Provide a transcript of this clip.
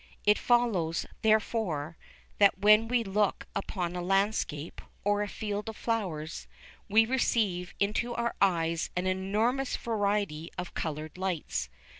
It follows, therefore, that when we look upon a landscape, or a field of flowers, we receive into our eyes an enormous variety of coloured lights.